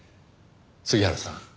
杉原さん。